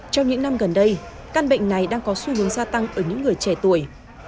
trong những năm gần đây căn bệnh này đang có xu hướng gia tăng ở những người trẻ tuổi